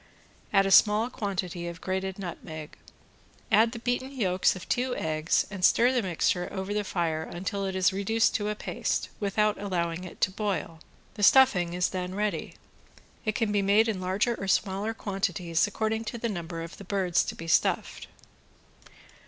Add a small quantity of grated nutmeg. Add the beaten yolks of two eggs and stir the mixture over the fire until it is reduced to a paste, without allowing it to boil. The stuffing is then ready. It can be made in larger or smaller quantities according to the number of the birds to be stuffed.